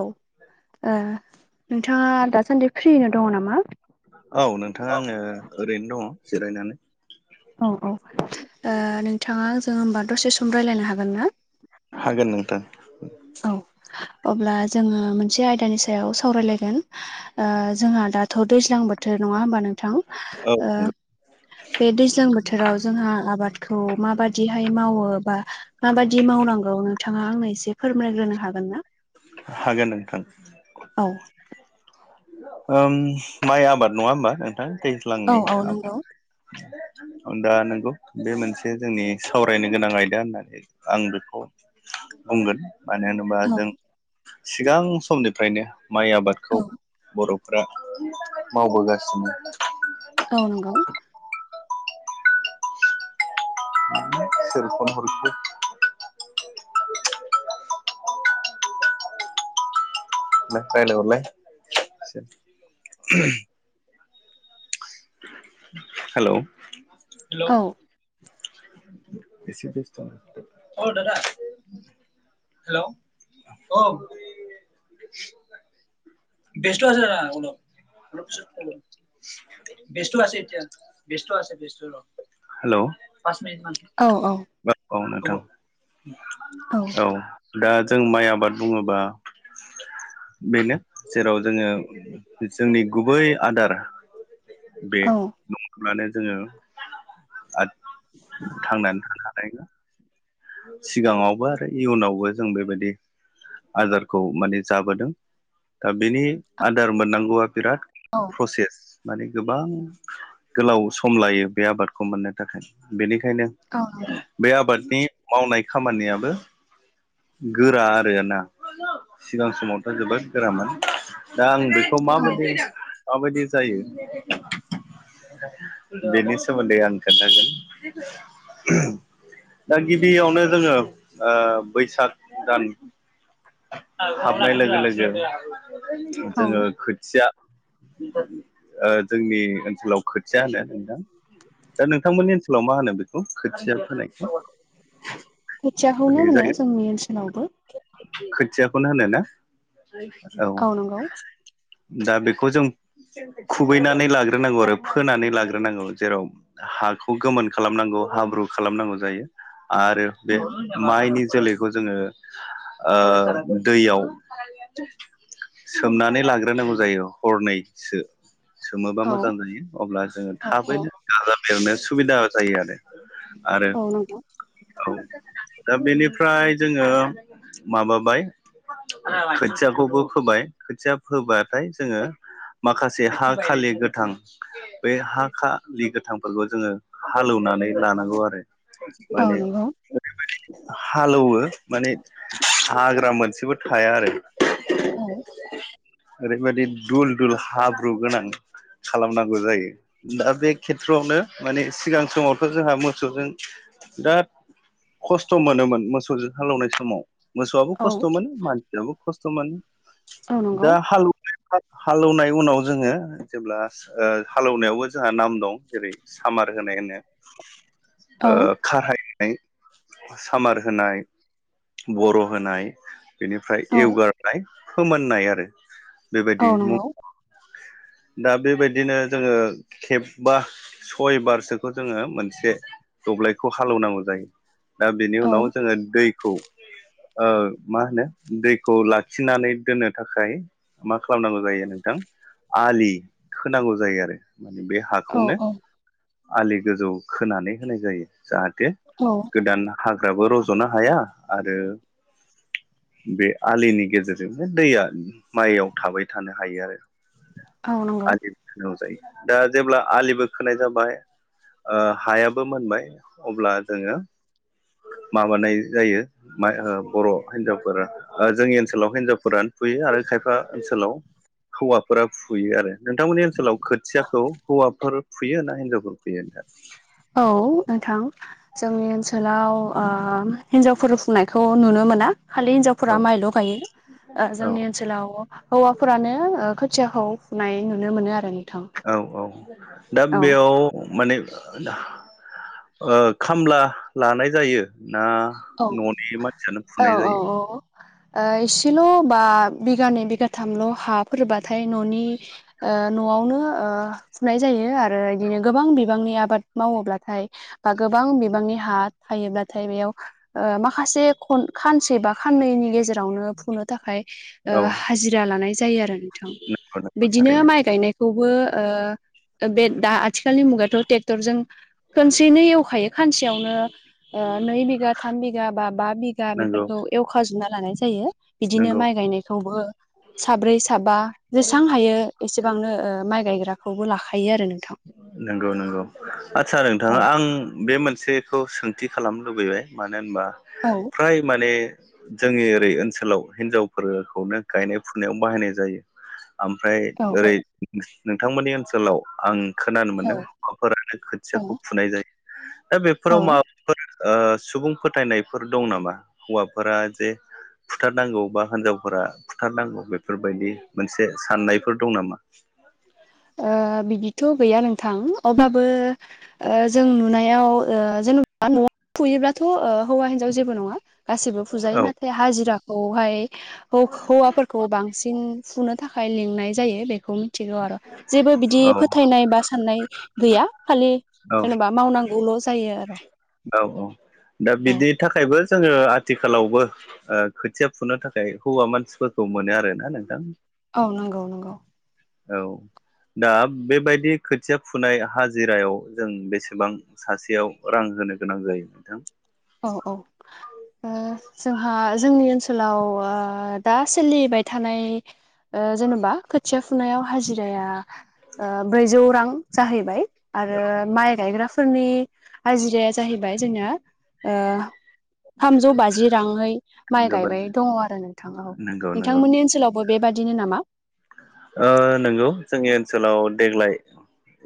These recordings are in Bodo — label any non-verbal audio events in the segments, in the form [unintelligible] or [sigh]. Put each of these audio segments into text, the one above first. औ ओ नोंथांङा दासान्दि फ्रिनो दङ नामा? औ नोंथां आङो ओरैनो दंङो जिरायनानै। औ औ ओ नोंथांङा जों होमबा दसे सम रायज्लायनो हागोन ना? हागोन नोंथां। औ अब्ला जोंङो मोनसे आयदानि सायाव सावरायलायगोन ओ जोंहा दाथ' दैज्लां बोथोर नङा होमबा नोंथां औ ओ बे दैज्लां बोथोराव जोंहा आबादखौ माबाददिहाय मावो बा माबायदि मावनांगौ नोंथाङा आंनो एसे फोरमायग्रोनो हागोनना? हागोन नोंथां। औ ओम माइ आबाद नङा ओमबा नोंथां औ दैज्लांनि औ आबाद नंगौ दा नंगौ बे मोनसे जोंनि सावरायनो गोनां आयदा होननानै आं बेखौ बुंगोन। मानो होनोबा औ जों सिगां समनिफ्रायनो माइ औ आबादखौ बर'फ्रा मावबोगासिनो औ नंगौ सोर फन हरखो [inaudible] नो रायलाय हरलाय [inaudible] हेल' हेल' औ [inaudible] हेल' [inaudible] [inaudible] [inaudible] हेल' औ औ बाट औ नोंथां औ दा जों माइ आबाद बुङोबा बेनो जेराव जोङो जोंनि गुबै आदार बे न ङाब्लानो जोङो आद थांनानै थानो हानाय नोङा। सिगाङावबो आरो इयुनावबो जों बेबायदि आदारखौ माने जाबोदों दा बेनि आदार मोननांगौआ बिराद औ प्रसेस माने गोबां गोलाव सम लायो बे आबादखौ मोननो थाखाय बेनिखायनो अ नंगौ। बे आबादनि मावनाय खामानियाबो गोरा आरोना सिगां समावथ' जोबोद गोरामोन। दा आं बेखौ औ माबायदि माबायदि जायो [inaudible] बेनि सोमोन्दै आं खोनथागोन। दा गिबियावनो जोङो ओ बैसाग दान हाबनाय लोगो लोगो औ जोङो खोथिया ओ जोंनि ओनसोलाव खोथिया होनो नोंथां। दा नोंथांमोननि ओनसोलाव मा होनो बेखौ खोथिया फोनायखौ? खोथियाखौनो माने होनो जायगा जोंनि ओनसोलावबो। खोथियाखौनो होनो ना? औ नंगौ। दा बेखौ जों खुबैनानै लाग्रोनांगौ आरो फोनानै लाग्रोनांगौ जेराव हाखौ गोमोन खालामनांगौ हाब्रु खालामनांगौ जायो आरो औ बे माइनि जोलैखौ जोङो ओ दैयाव सोमनानै लाग्रोनांगौ जायो हरनैसो सोमोबा औ मोजां जायो अब्ला जोङो औ थाबैनो दाजाबदेरनो सुबिदा जायो आरो। आरो औ नंगौ औ दा बेनिफ्राय जोङो माबाबाय खोथियाखौबो फोबाय खोथिया फोबाथाय जोङो माखासे हा खालि गोथां बे हा खालि गोथांफोरखौ जोङो हाले एवनानै लानांगौ आरो औ माने नंगौ ओरैबायदि हालौवो माने हाग्रा मोनसेबो थाया आरो औ ओरैबायदि दुल दुल हाब्रु गोनां खालामनांगौ जायो दा बे खेथ्रआवनो माने सिगां समावथ' जोंहा मोसौजों बिराद दा खस्थ' मोनोमोन मोसौजों हालेवनाय समाव मोसौआबो औ खस्थ' मोनो मानसियाबो खस्थ' मोनो औ नंगौ दा हालौ हालौएवनाय उनाव जोङो जेब्ला ओ हालौएवनायावबो जोंहा नाम दं जेरै सामार होनाय होनो औ ओ खारायनाय सामार होनाय बर' होनाय बेनिफ्राय औ एवगारनाय फोमोननाय आरो बेबायदि औ नंगौ दा बेबायदिनो जोङो खेबबा सय बारसोखौ जोङो मोनसे दब्लायखौ हाले एवनांगौ जायो दा बेनि औ उनाव जोङो दैखौ मा होनो दैखौ लाखिनानै दोननो थाखाय मा खालामनांगौ जायो नोंथां आलि खोनांगौ जायो आरो माने बे औ हाखौनो औ आलि गोजौ खोनानै होनाय जायो जाहाथे औ गोदान हाग्राबो रज'नो हाया आरो बे आलिनि गेजेरजों दैया माइयाव थाबाय थानो हायो आरो औ नंगौ आलिबो खोनांगौ जायो दा जेब्ला आलिबो खोनाय जाबाय ओ हायाबो मोनबाय अब्ला जोङो माबानाय जायो मा बर' हिनजावफोरा जोंनि ओनसोलाव हिन्जावफोरानो फुयो आरो खायफा ओनसोलाव हौवाफोरा फुयो आरो नोंथांमोननि ओनसोलाव खोथियाखौ हौवाफोर फुयो ना हिनजावफोर फुयो नोंथां औ नोंथां जोंनि ओनसोलाव आ हिनजावफोर फुंनायखौ नुनो मोना खालि हिनजाव फुरा माइल' गायो औ जोंनि ओनसोलाव हौवाफोरानो खोथियाखौ फुनाय नुनो मोनो आरो नों औ-औ दा बेयाव माने [unintelligible] ओ खामला लानाय जायो ना न'नि मानसियानो फुनाय जायो औ-औ-औ-औ एसेल' बा बिगानै बिगाथामल' हाफोरबाथाय न'नि ओ न'आवनो ओ फुनाय जायो आरो बिदिनो गोबां बिबांनि आबाद मावोब्लाथाय बा गोबां बिबांनि हा थायोब्लाथाय बेयाव ओ माखासे खानसे बा खाननैनि गेजेर रावनो फुंनो थाखाय ओ औ हाजिरा लानाय जायो आरो थां नंगौ नंगौ बिदिनो थारैनो माइ गायनायखौबो बे दा आथिखालनि मुगाथ' ट्रेक्टरजों खनसेनो एवखायो खानसेयावनो नै बिघा थाम बिगा बा बा बिगा नंगौ बेफोरखौ एवखाजोबना लानाय जायो बिदिनो नंगौ माइ गायनायखौबो साब्रै साबा जेसां हायो एसेबांनो माइ गायग्राखौबो लाखायो आरो नोंथां नंगौ नंगौ आचसा औ नोंथाङा आं बे मोनसेखौ सोंथि खालामनो लुबैबाय मानो होनबा औ फ्राय माने जोंनि ओरै ओनसोलाव हिनजावफोरखौनो गायनाय फुनायाव बाहायनाय जायो। ओमफ्राय औ औ ओरै नोंथांमोननि ओनसोलाव आं खोनानो औ मोनो हौवाफोरानो औ खोथियाखौ फुनाय जायो दा औ बेफोराव माबा सुबुं फोथायनायफोर दं नामा हौवाफोरा जे फुथारनांगौ बा हिनजावफोरा बुथारनांगौ बेफोरबायदि मोनसे साननायफोर दं नामा ओ बिदिथ' गैया नोंथां अब्लाबो जों नुनायाव ओ जेनेबा न'आव फुयोब्लाथ' ओ‌हौवा हिन्जाव जेबो नङा गासिबो फुजायो नाथाय बे हाजिराखौहाय हौवाफोरखौ बांसिन फुनो थाखाय लिंनाय जायो बेखौ मिथिगौ आरो जेबो बिदि औ औ फोथायनाय बा साननाय गैया खालि औ जेनेबा मावनांगौल' जायो आरो औ औ दा औ बिनि थाखायबो जोङो आथिखालावबो खोथिया फुनो थाखाय हौवा मानसिफोरखौ मोनो आरो ना नोंथां औ नंगौ नंगौ। औ दा बेबायदि खोथिया फुनाय हाजिरायाव जों बेसेबां सासेयाव रां होनो गोनां जायो नोंथां औ औ जोंहा जोंनि ओनसोलाव दा सोलिबाय थानाय जेन'बा खोथिया फुनायाव हाजिराया ब्रैजौ रां जाहैबाय आरो माइ गायग्राफोरनि हाजिराया जाहैबाय जोंना ओ थामजौ बाजि राङै माइ गायबाय दङ आरो नोंथाङाव नंगौ नंगौ नोंथांमोननि ओनसोलाव बब बेबायादिनो नामा? नंगौ जोंनि ओनसोलाव देग्लाय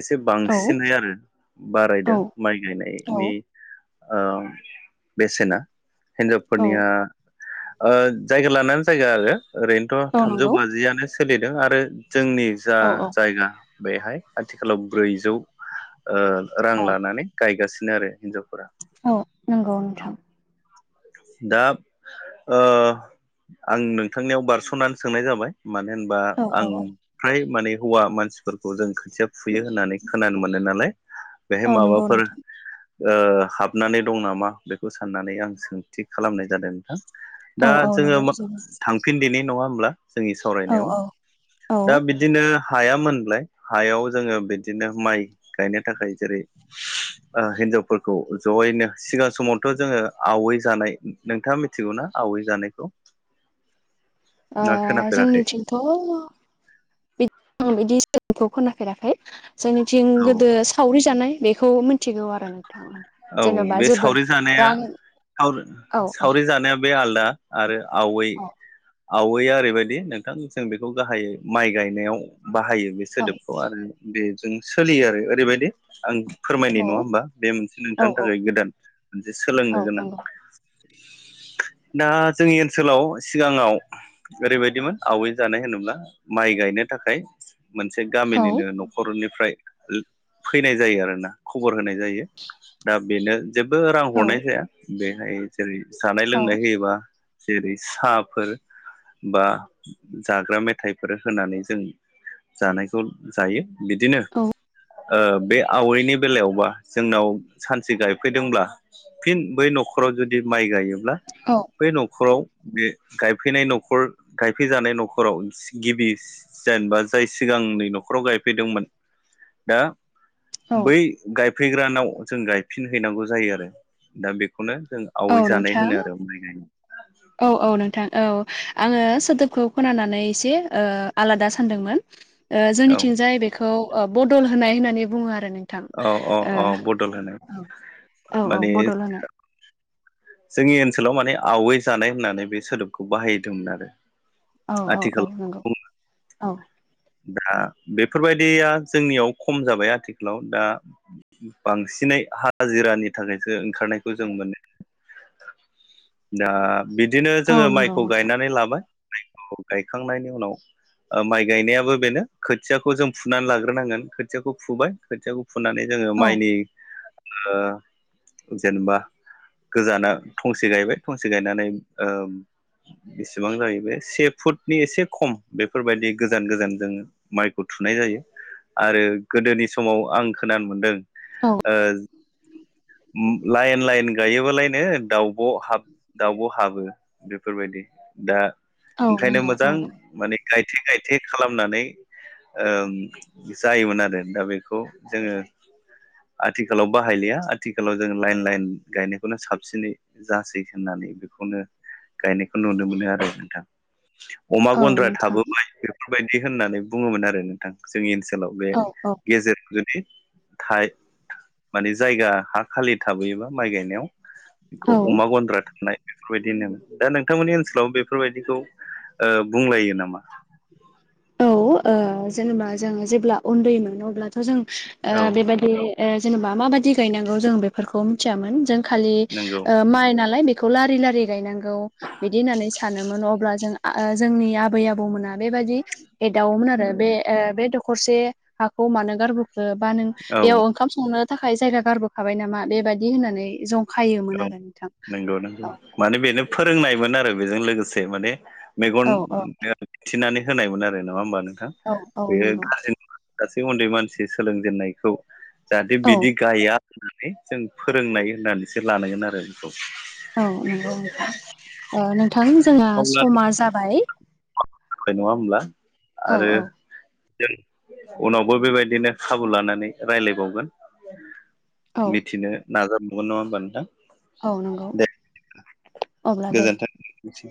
एसे औ बांसिनहै आरो औ बारायदों माइ औ गायनायनि बेसेना औ हिन्जावफोरनिया ओ जायगा लानानै जायगा आरो ओरैनोथ' औ थामजौ नंगौ बाजियनो सोलिदों आरो जोंनि जा औ औ जायगा बेहाय आथिखालाव ब्रैजौ ओ रां औ लानानै गायगासिनो आरो हिनजावफोरा औ नंगौ औ नोंथां। दा आं नोंथांनियाव बारस'नानै सोंनाय जाबाय मानो होनबा औ औ आं औ फ्राय माने हौवा मानसिफोरखौ जों खोथिया फुयो होननानै खोनानो मोनो नालाय बेहाय औ नंगौ माबाफोर नोंथां हाबनानै दं नामा बेखौ साननानै आं सों थिग खालामनाय जादों नोंथां औ दा औ नंगौ जोङो जोबोद फिनदिेनाय नङा होमब्ला जोंनि औ सावरायनायाव औ औ ओ दा बि बिदिनो हाया मोनल हायाव जोङो बिदिनो माइ गायनो थाखाय जेरै हिनजावफोरखौ जयैनो सिगां समावथ' जोङो आवै जानाय नोंथाङा मिथिगौना आवै जानायखौ अ ना खोनाफेराखै जोंनिथिं थं बिदिखौ खोनफेराखै जोंनि जं औ गोदो सावरि जानाय बेखौ मिथिगौ आरो नों औ बे सावरि जानाया रां औ औ सावरि जानाया बे आलदा आरो आवै औ आवैया ओरैबायदि नोंथां जों बेखौ गाहायै माइ गायनायाव बाहायो बे औ सोदोबखौ आरो बेजों सोलियो आरो ओरैबायदि आं फोरमायनाय नङा होमबा बे मोनसे औ नोंथांनि औ थाखाय गोदान मोनसे औ सोलोंनो गोनां नंगौ दा जोंनि ओनसोलाव सिगाङाव ओरैबायदिमोन आवाय जानाय होनोब्ला माइ गायनो थाखाय मोनसे औ गामिनिनो न'खरनिफ्राय फैनाय जायो आरोना खबर होनाय जायो दा बेनो जेबो रां औ हरनाय जाया बेहाय जेरै जानाय लोंनाय होयोबा जेरै साहाफोर बा जाग्रा मेथाइफोर होनानै जों जानाय जायो। बिदिनो बे आवाइनि बेलायावबा जोंनाव सानसे गायफैदोंब्ला फिन बै न'खराव जुदि माइ गायोब्ला औ बै न'खराव बे गायफैनाय न'खर गायफैजानाय न'खराव गिबि जेनेबा जाय सिगांनि न'खराव गायफैदोंमोन दा औ बै गायफैग्रानाव जों गायफिन हैैनांगौ जायो आरो। दा बेखौनो जों औ आवै जानाय नोंथां। होनो आरो माइ गायनाय औ औ नोंथां औ। आङो सोदोबखौ खोनानानै एसे आलादा सानदोंमोन। औ जोंनिथिंजाय बेखौ बदल होनाय होननानै बुङो आरो नों औ औ बदल होनाय औ औ औ। माने बदलनाय जोंनि ओनसोलाव माने आवै जानाय होननानै बे सोदोबखौ बाहायदोंमोन आरो। औ औ औ आथिखालाव नंगौ औ। दा बेफोरबायदिया जोंनियाव खम जाबाय। आथिखालाव दा बांसिनै हाजिरानि थाखायसो ओंखारनायखौ जों मोनो। दा बिदिनो औ जोङो नंगौ माइखौ नोंथां गायनानै लाबाय माइखौ गायखांनायनि उनाव माइ गायनाया बेनो खोथियाखौ जों फुनानै लाग्रोनांगोन खोथियाखौ फुबाय खोथिखौ फुननानै जोङो औ माइनि ओ जेनेबा गोजाना थंसे गायबाय। थंसे गायनानै बेसेबां जायो बे से फुटनि एसे खम। बेफोरबायदि गोजान गोजान जोङो माइखौ थुनाय जायो आरो गोदोनि समाव आं खोनानो मोनदों। औ ओ लाइन लाइन गायोबालायनो दाउ ब दाउब' हाबो। बेफोरबायदि दा औ ओंखायनो नंगौ औ मोजां माने गायथे गायथे खालाम होन जायोमोन आरो। दा बेखौ जोङो आथिखालाव बाहायलिया आथिखालाव जों लाइन लाइन गायनायखौनो साबसिनै जासै होननानै बेखौनो गायनायखौ नुनो मोनो आरो नोंथां। अमा औ गन्द्रा नोंथां थाबोबाय बेफोरबायदि होननानै बुङोमोन आरो। जोंनि ओनसोलाव बे औ औ गेजेर जुदि माने जायगा हा खालि थाबोयोबा माइ गायनायाव खौ औ अमा गन्द्रा बेफोरबायदिनो दा नोंथांमोननि ओनसोलाव बेफोरबायदिखौ बुंलायो नामा? औ ओ जेनेबा जोङो जेब्ला उन्दै मोनो। अब्लाथ' जों औ बे बादि जेनेबा माबायदि गायनांगौ जों बेफोरखौ मिथियामोन जों खालि नंगौ माइ नालाय खौ लारि लारि गायनांगौ। बिदि होननानै सानोमोन। अब्ला जों जोंनि आबै आबौ मोना बे बादि एदावोमोन आरो बे बे दखरसे हाखौ मानो गारबो बा नों औ बेयाव ओंखाम संनो थाखाय जायगा गारबोखाबाय नामा बेबायदि होननानै जं खायोमोन औ आरो नोंथां। नंगौ नंगौ। माने बेनो फोरोंनायमोन आरो बेजों लोगोसे माने मेगन औ औ दिन्थिनानै होनायमोन आरो नङा होमबा नोंथां। औ औ बेयो नंगौ गाज्रि सासै उन्दै मानसि सोलोंजेननायखौ जाहाथे औ बिदि गाया होननानै जों फोरोंनाय होननानैसो लानांगोन आरो। बेखौ औ नंगौ नोंथां नोंथां जोंहा अब्ला समा जाबाय। नङा होमब्ला? औ आरो औ जों उनावबो बे बादिनो खाबु लानानै रायज्लायबावगोन। औ मिथिनो नाजाबगोन नङा होमबा नोंथां। औ नंगौ। अब्ला दे गोजोन्थोंसै।